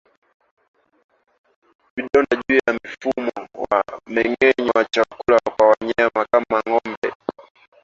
Vidonda juu ya mfumo wa mmengenyo wa chakula kwa mnyama kama ngombe